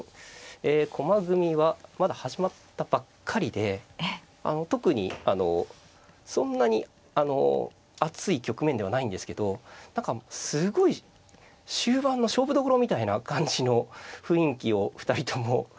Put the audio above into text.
え駒組みはまだ始まったばっかりで特にあのそんなに熱い局面ではないんですけど何かすごい終盤の勝負どころみたいな感じの雰囲気を２人とも。